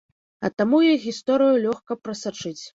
А таму іх гісторыю лёгка прасачыць.